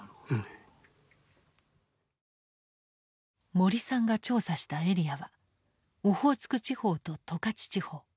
森さんが調査したエリアはオホーツク地方と十勝地方。